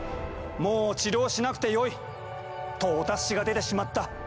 もう治療しなくてよい！とお達しが出てしまった。